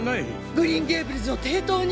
グリーン・ゲイブルズを抵当に！？